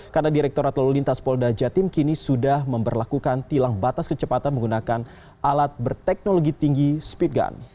karena direkturat lalu lintas polda jatim kini sudah memperlakukan tilang batas kecepatan menggunakan alat berteknologi tinggi speed gun